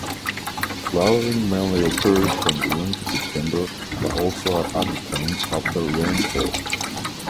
Flowering mainly occurs from June to September but also at other times after rainfall.